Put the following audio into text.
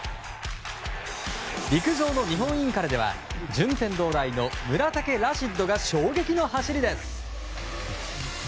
陸上の日本インカレでは順天堂大の村竹ラシッドが衝撃の走りです。